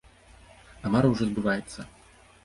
І мара ўжо збываецца!